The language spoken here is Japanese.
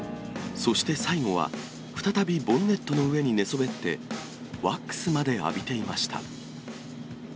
そして最後は、再びボンネットの上に寝そべって、ワックスまで浴びていました。